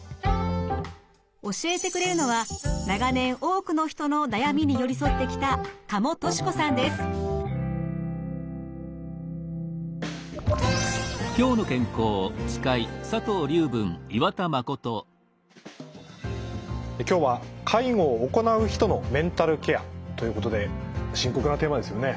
教えてくれるのは長年多くの人の悩みに寄り添ってきた今日は介護を行う人のメンタルケアということで深刻なテーマですよね。